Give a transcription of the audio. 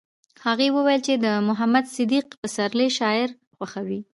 هغې وویل چې د محمد صدیق پسرلي شاعري خوښوي